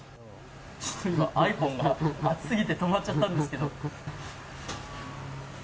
ｉＰｈｏｎｅが熱すぎて止まっちゃったんですけど。